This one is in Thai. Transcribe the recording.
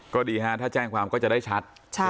ก็ดีฮะถ้าแจ้งความก็จะได้ชัด